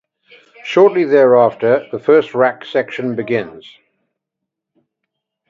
Shortly thereafter, the first rack section begins.